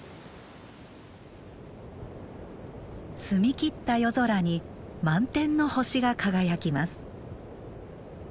澄み切った夜空に満天の星が輝きます。